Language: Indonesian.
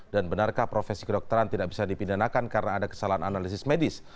dan benarkah profesi kedokteran tidak bisa dipindahkan karena ada kesalahan analisis medis